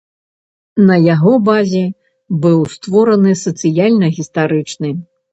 На яго базе быў створаны сацыяльна-гістарычны.